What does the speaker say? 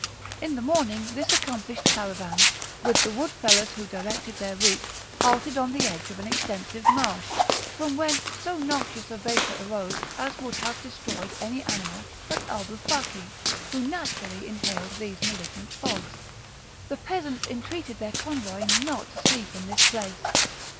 In the morning this accomplished caravan, with the wood fellers who directed their route, halted on the edge of an extensive marsh, from whence so noxious a vapour arose as would have destroyed any animal but Alboufaki, who naturally inhaled these malignant fogs. The peasants entreated their convoy not to sleep in this place.